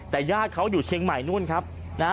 แต่ญาติเขาอยู่เชียงใหม่นู่นครับนะฮะ